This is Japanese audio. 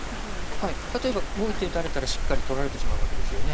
例えばもう１手打たれたらしっかり取られてしまうわけですよね。